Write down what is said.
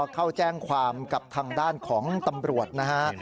เข้าแจ้งความกับทางด้านของตำรวจนะฮะ